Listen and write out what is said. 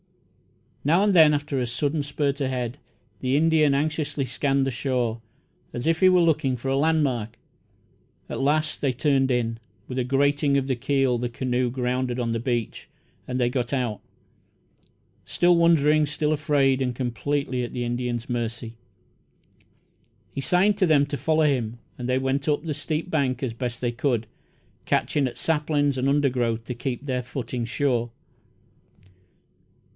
Now and then, after a sudden spurt ahead, the Indian anxiously scanned the shore, as if he were looking for a landmark. At last they turned in. With a grating of the keel the canoe grounded on the beach, and they got out, still wondering, still afraid, and completely at the Indian's mercy. He signed to them to follow him, and they went up the steep bank as best they could, catching at saplings and undergrowth to keep their footing sure.